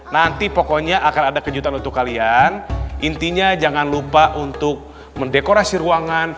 nanti pokoknya akan ada kejutan untuk kalian intinya jangan lupa untuk mendekorasi ruangan